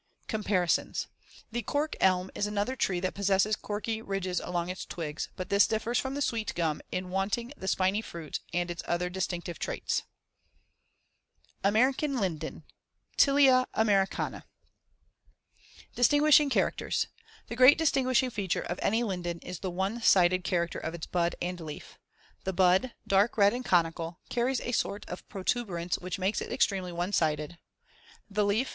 Comparisons: The cork elm is another tree that possesses corky ridges along its twigs, but this differs from the sweet gum in wanting the spiny fruit and its other distinctive traits. AMERICAN LINDEN (Tilia Americana) [Illustration: FIG. 77. Bud of the Linden Tree.] Distinguishing characters: The great distinguishing feature of any linden is the *one sided* character of its *bud* and *leaf*. The bud, dark red and conical, carries a sort of protuberance which makes it extremely one sided as shown in Fig. 77. The leaf, Fig.